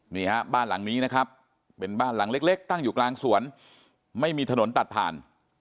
นี่ฮะบ้านหลังนี้นะครับเป็นบ้านหลังเล็กตั้งอยู่กลางสวนไม่มีถนนตัดผ่าน